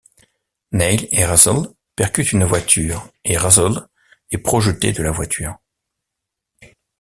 Neil et Razzle percutent une voiture et Razzle est projeté de la voiture.